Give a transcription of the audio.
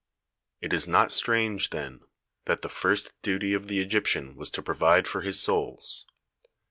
It is not strange, then, that the first duty of the Egyptian was to provide for his souls.